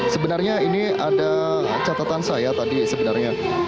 sebenarnya ini ada catatan saya tadi sebenarnya